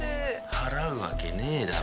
払うわけねえだろ。